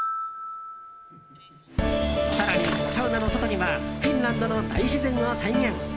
更に、サウナの外にはフィンランドの大自然を再現。